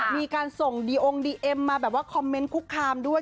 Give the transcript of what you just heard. มีการส่งดีองค์ดีเอ็มมาแบบว่าคอมเมนต์คุกคามด้วย